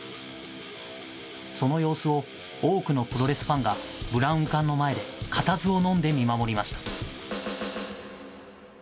その様子を多くのプロレスファンがブラウン管の前で、固唾をのんで見守りました。